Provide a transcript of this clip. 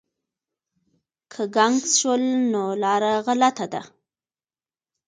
که ګنګس شول نو لاره غلطه ده.